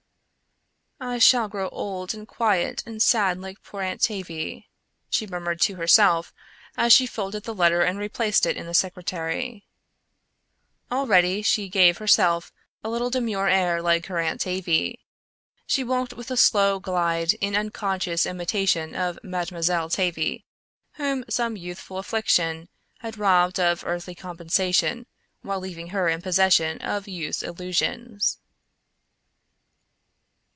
"I shall grow old and quiet and sad like poor Aunt Tavie," she murmured to herself as she folded the letter and replaced it in the secretary. Already she gave herself a little demure air like her Aunt Tavie. She walked with a slow glide in unconscious imitation of Mademoiselle Tavie whom some youthful affliction had robbed of earthly compensation while leaving her in possession of youth's illusions.